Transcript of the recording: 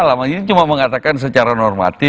alamak ini cuma mengatakan secara normal